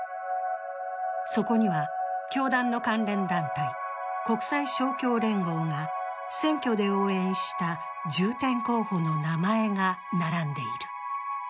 そこには、教団の関連団体国際勝共連合が選挙で応援した重点候補の名前が並んでいる。